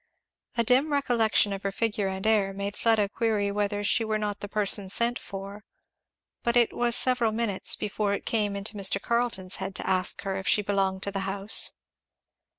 A dim recollection of her figure and air made Fleda query whether she were not the person sent for; but it was several minutes before it came into Mr. Carleton's head to ask if she belonged to the house.